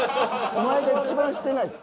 お前が一番してない？